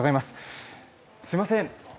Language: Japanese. すいません。